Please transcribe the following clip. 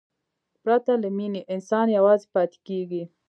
پرته له مینې، انسان یوازې پاتې کېږي.